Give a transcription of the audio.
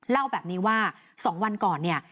เล่าแบบนี้ว่า๒วันก่อนเนี่ย